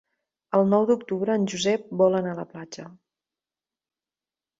El nou d'octubre en Josep vol anar a la platja.